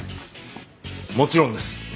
もちろんです。